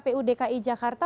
apapun itu kpu dki jakarta